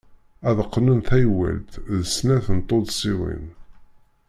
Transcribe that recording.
Ad qqnen taywalt d snat n tuddsiwin.